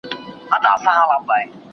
غير مرکزي نظامونه ولي د سيمو لپاره ګټور دي؟